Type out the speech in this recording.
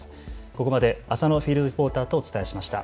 ここまで浅野フィールドリポーターとお伝えしました。